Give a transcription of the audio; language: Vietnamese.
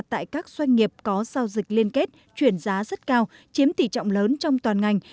tại các doanh nghiệp có giao dịch liên kết chuyển giá rất cao chiếm tỷ trọng lớn trong toàn ngành